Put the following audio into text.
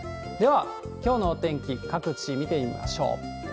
では、きょうのお天気、各地見てみましょう。